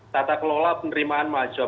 tata kelola penerimaan mahasiswa